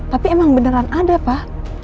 tapi emang beneran ada pak